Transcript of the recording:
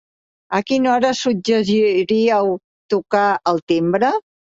A quina hora suggeriríeu tocar el timbre?